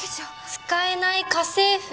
使えない家政婦。